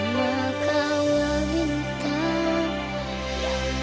mama kau lah bintang